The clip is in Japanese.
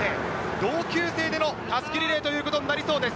同級生でのたすきリレーということになりそうです。